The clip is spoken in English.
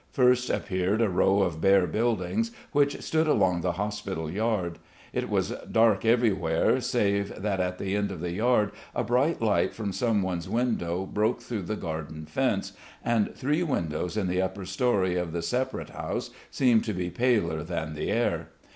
First appeared a row of bare buildings, which stood along the hospital yard. It was dark everywhere, save that at the end of the yard a bright light from someone's window broke through the garden fence, and three windows in the upper story of the separate house seemed to be paler than the air.